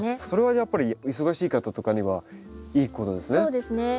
それはやっぱり忙しい方とかにはいいことですね。